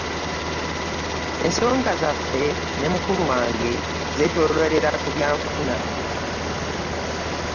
Ensonga zaffe ne mukulu wange zeetooloolera ku byanfuna.